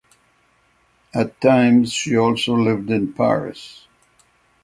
At times she also lived in Paris.